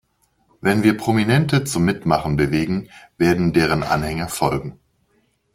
Wenn wir Prominente zum Mitmachen bewegen, werden deren Anhänger folgen.